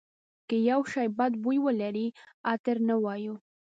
که یو شی بد بوی ولري عطر نه وایو.